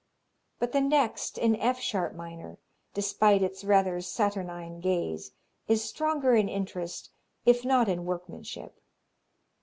But the next, in F sharp minor, despite its rather saturnine gaze, is stronger in interest, if not in workmanship.